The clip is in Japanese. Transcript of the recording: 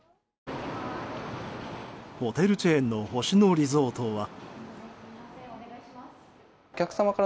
ホテルチェーンの星野リゾートは。